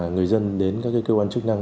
người dân đến các cơ quan chức năng